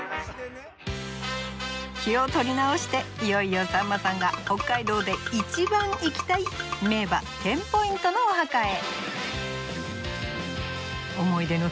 気を取り直していよいよさんまさんが北海道で一番行きたい名馬テンポイントのお墓へ。